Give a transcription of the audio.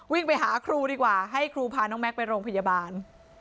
วิ่งไปหาครูดีกว่าให้ครูพาน้องแก๊กไปโรงพยาบาล